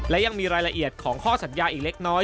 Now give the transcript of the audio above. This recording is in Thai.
และยังมีรายละเอียดของข้อสัญญาอีกเล็กน้อย